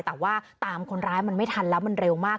แต่ว่าตามคนร้ายมันไม่ทันแล้วมันเร็วมาก